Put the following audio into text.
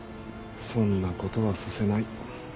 そんなことはさせない。